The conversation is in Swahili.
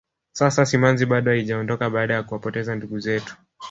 sasa simanzi bado haijaondoka baada ya kuwapoteza ndugu zetu